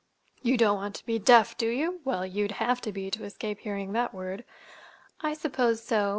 "You don't want to be deaf, do you? Well, you'd have to be, to escape hearing that word." "I suppose so.